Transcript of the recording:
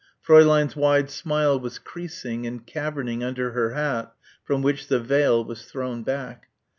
Fräulein's wide smile was creasing and caverning under her hat from which the veil was thrown back.